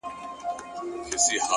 هره شېبه نوی فرصت زېږوي